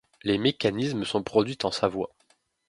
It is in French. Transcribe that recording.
Les mécanismes sont produits en Savoie.